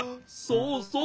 そうそう！